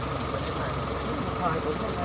ผมเป็นไทยเพื่อนนะ